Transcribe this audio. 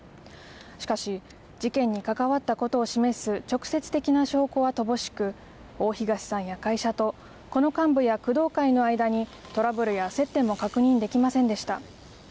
しかし、事件に関わったことを示す直接的な証拠は乏しく、大東さんや会社と、この幹部や工藤会の間にトラブルや接点も確認できませんでした。